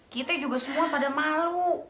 kita juga semua pada malu